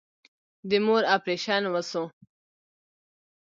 د مور اپريشن وسو.